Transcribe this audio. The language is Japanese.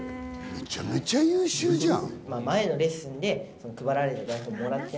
めちゃめちゃ優秀じゃん！